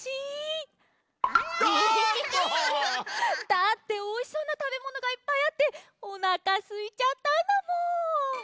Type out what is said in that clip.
だっておいしそうなたべものがいっぱいあっておなかすいちゃったんだもん。